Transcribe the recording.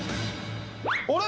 あれ？